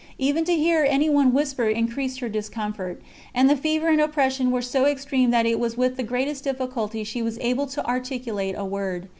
Even to hear anyone whisper increased her discomfort; and the fever and oppression were so extreme that it was with the greatest difficulty she was able to articulate a word.